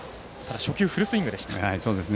初球、フルスイングでした。